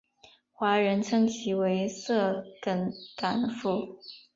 华人称其为色梗港府。